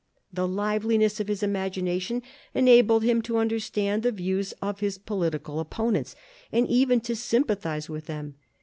The liveliness of his imagination enabled him to understand the views of his political opponents, and even to sympathise with them.